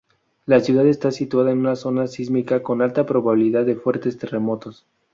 La ciudad está situada en una zona sísmica con alta probabilidad de fuertes terremotos.